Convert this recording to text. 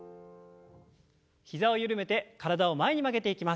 膝をゆるめて体を前に曲げていきます。